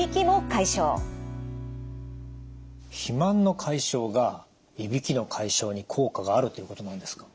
肥満の解消がいびきの解消に効果があるということなんですか？